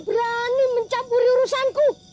berani mencampur urusan ku